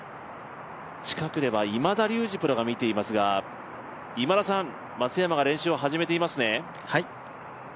近くでは今田竜二プロが見ていますが、今田さん、松山が練習を始めていますね。